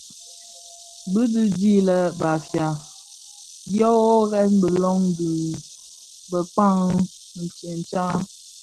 Di i di lè Bafia dyo worè bi löň dhi bëkpag tsentsa.